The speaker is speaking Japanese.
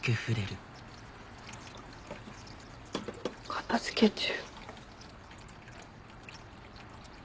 片付け中。